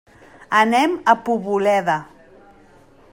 Anem a Poboleda.